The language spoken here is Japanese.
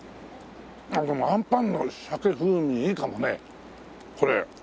でもあんぱんの鮭風味いいかもねこれ。